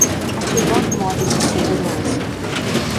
Ativar modo de segurança.